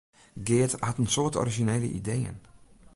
Geart hat in soad orizjinele ideeën.